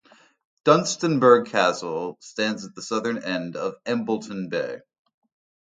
Dunstanburgh Castle stands at the southern end of Embleton Bay.